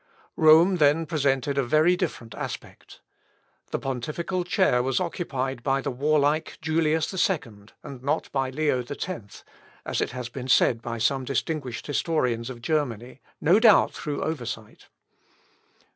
Rome then presented a very different aspect. The pontifical chair was occupied by the warlike Julius II, and not by Leo X, as it has been said by some distinguished historians of Germany, no doubt through oversight.